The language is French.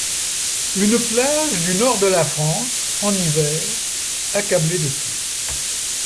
Une plage du nord de la France, en hiver, accablée de pluie.